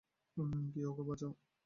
কেউ ওকে বাঁচাউ।